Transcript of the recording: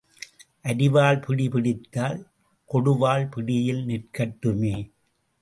அரிவாள் பிடி பிடித்தால் கொடுவாள் பிடியில் நிற்கட்டுமே.